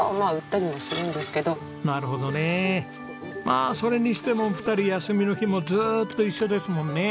まあそれにしてもお二人休みの日もずっと一緒ですもんね。